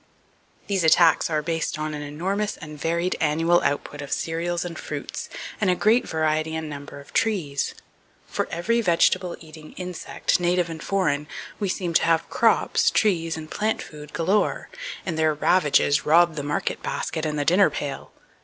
These attacks are based upon an enormous and varied annual output of cereals and fruits, and a great variety and number of trees. For every vegetable eating insect, native and foreign, we seem to have crops, trees and plant food galore; and their ravages rob the market basket and the dinner pail.